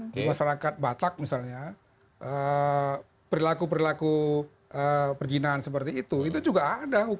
di masyarakat batak misalnya perilaku perilaku perjinaan seperti itu itu juga ada